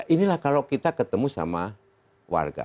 inilah kalau kita ketemu sama warga